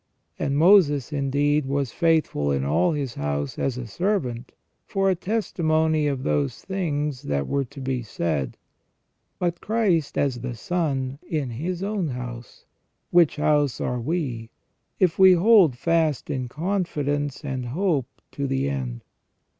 And Moses, indeed, was faithful in all his house as a servant, for a testimony of those things that were to be said : but Christ as the Son in His own house : which house are we, if we hold fast in confidence and hope to the end."